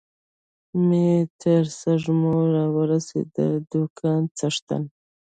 مې تر سږمو را ورسېد، د دوکان څښتن.